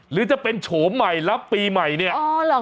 หรือจะเป็นโฉมใหม่แล้วปีใหม่เนี่ย